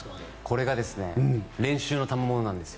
これがですね練習のたまものなんです。